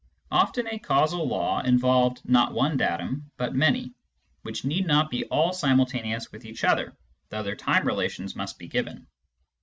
Often a causal law involves not one datum, but many, which need not be all simultaneous with each other, though their time relations must be given.